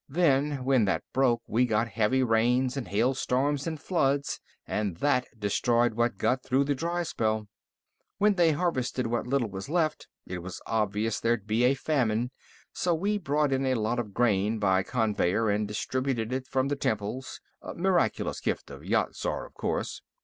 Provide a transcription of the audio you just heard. Then, when that broke, we got heavy rains and hailstorms and floods, and that destroyed what got through the dry spell. When they harvested what little was left, it was obvious there'd be a famine, so we brought in a lot of grain by conveyer and distributed it from the temples miraculous gift of Yat Zar, of course.